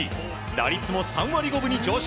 打率も３割５分に上昇。